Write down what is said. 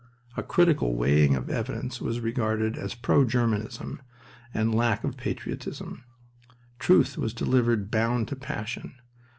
A critical weighing of evidence was regarded as pro Germanism and lack of patriotism. Truth was delivered bound to passion.